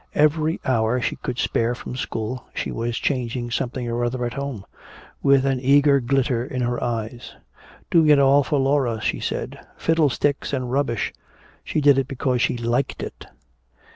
Every hour she could spare from school, she was changing something or other at home with an eager glitter in her eyes. Doing it all for Laura, she said. Fiddlesticks and rubbish! She did it because she liked it!